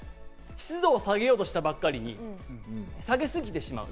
湿度を下げようとしたばっかりに、下げすぎてしまう。